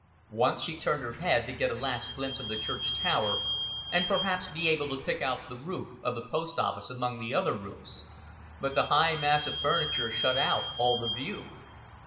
Once she turned her head to get a last glimpse of the church tower, and perhaps be able to pick out the roof of the post office among the other roofs, but the high mass of furniture shut out all the view.